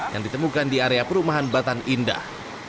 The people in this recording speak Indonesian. yang ditemukan di area perumahan batan indah